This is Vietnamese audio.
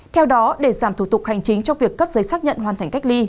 theo đó để giảm thủ tục hành chính cho việc cấp giấy xác nhận hoàn thành cách ly